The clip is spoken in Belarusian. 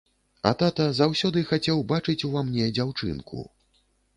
А тата заўсёды хацеў бачыць ува мне дзяўчынку.